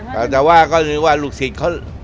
แต่ว่าก็คือว่าลูกศิษย์เขา